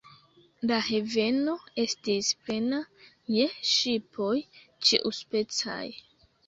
La haveno estis plena je ŝipoj ĉiuspecaj.